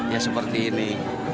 ya seperti ini